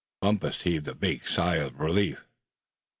Bumpus heaved a big sigh of relief.